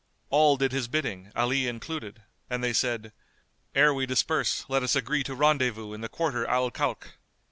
All did his bidding, Ali included, and they said, "Ere we disperse let us agree to rendezvous in the quarter Al Kalkh."